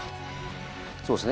そうですね。